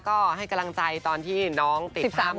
ก็ให้กำลังใจตอนที่น้องติดท่ามอยู่